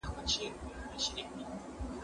کالي وچ کړه!.